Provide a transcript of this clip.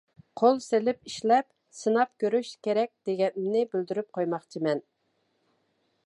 قول سېلىپ ئىشلەپ، سىناپ كۆرۈش كېرەك، دېگەننى بىلدۈرۈپ قويماقچىمەن.